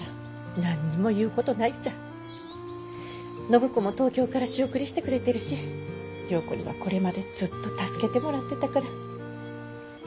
暢子も東京から仕送りしてくれてるし良子にはこれまでずっと助けてもらってたから。